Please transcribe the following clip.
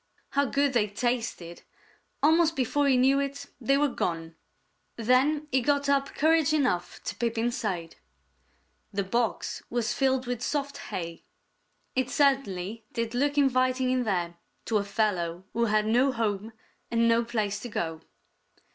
How good they tasted! Almost before he knew it, they were gone. Then he got up courage enough to peep inside. The box was filled with soft hay. It certainly did look inviting in there to a fellow who had no home and no place to go.